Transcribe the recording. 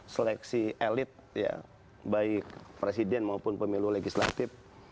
seleksi elit ya baik presiden maupun pemilu legislatif